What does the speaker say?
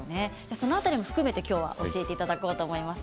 その辺りも含めて今日は教えていただこうと思います。